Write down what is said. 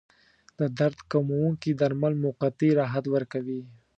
د درد کموونکي درمل موقتي راحت ورکوي.